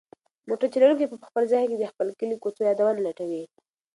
موټر چلونکی په خپل ذهن کې د خپل کلي د کوڅو یادونه لټوي.